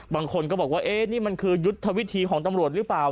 บางคนก็บอกว่านี่มันคือยุทธวิธีของตำรวจหรือเปล่า